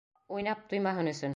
Уйнап туймаһын өсөн!